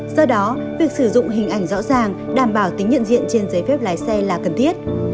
do đó việc sử dụng hình ảnh rõ ràng đảm bảo tính nhận diện trên giấy phép lái xe là cần thiết